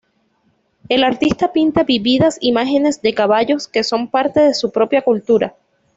El artista pinta vívidas imágenes de caballos que son parte de su propia cultura.